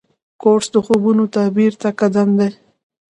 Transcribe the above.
کورس د خوبونو تعبیر ته قدم دی.